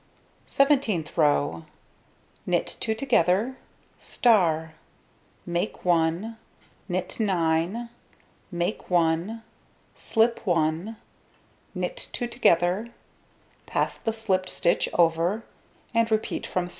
Seventeenth row: Knit 2 together*, make 1, knit 9, make 1, slip 1, knit 2 together, pass the slipped stitch over, and repeat from *.